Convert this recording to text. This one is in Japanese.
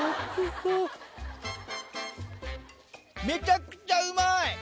めちゃくちゃうまい。